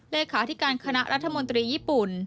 เลขาธิการคณะรัฐมนตรีญี่ปุ่น